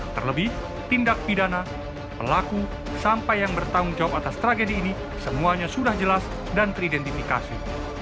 terlebih tindak pidana pelaku sampai yang bertanggung jawab atas tragedi ini semuanya sudah jelas dan teridentifikasi